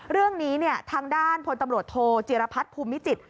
เรื่องนี้ทางด้านพลตำรวจโทจิรพัฒน์ภูมิจิต